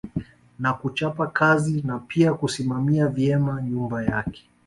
Na kuchapa kazi na pia kusimamia vyema nyumba yake